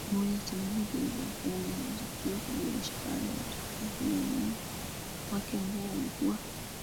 moja sababu zilizomfanya mwanamuziki huyo kujirusha Baada ya tukio hilo wenyeji wake ambao walikuwa